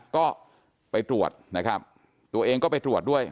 ก็ไปตรวจนะครับตัวเองก็ไปตรวจด้วย